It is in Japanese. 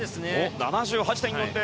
７８．４０。